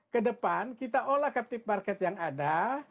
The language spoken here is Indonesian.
kedepan kita olah captive market yang ada